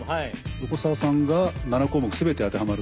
横澤さんが７項目全て当てはまるということで。